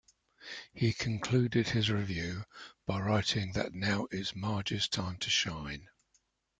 He concluded his review by writing that now it's Marge's time to shine!